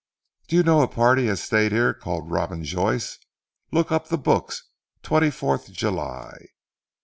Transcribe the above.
Do you know a party as stayed here called Robin Joyce? Look up the books twenty fourth July."